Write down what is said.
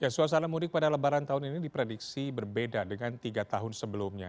suasana mudik pada lebaran tahun ini diprediksi berbeda dengan tiga tahun sebelumnya